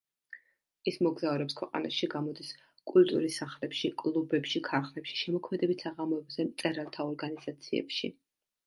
ის მოგზაურობს ქვეყანაში, გამოდის კულტურის სახლებში, კლუბებში, ქარხნებში, შემოქმედებით საღამოებზე მწერალთა ორგანიზაციებში.